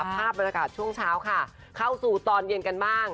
ภาพบรรยากาศช่วงเช้าค่ะเข้าสู่ตอนเย็นกันบ้าง